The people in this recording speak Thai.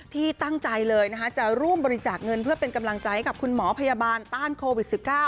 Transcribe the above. ที่ตั้งใจเลยจะร่วมบริจาคเงินเพื่อเป็นกำลังใจให้กับคุณหมอพยาบาลต้านโควิด๑๙